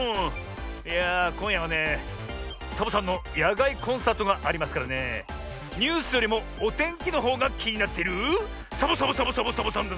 いやあこんやはねサボさんのやがいコンサートがありますからねえニュースよりもおてんきのほうがきになっているサボサボサボサボサボさんだ